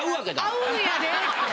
合うんやでって。